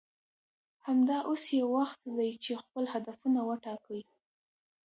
همدا اوس یې وخت دی چې خپل هدفونه وټاکئ